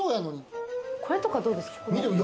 これとかどうですか？